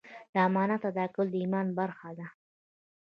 د امانت ادا کول د ایمان برخه ده.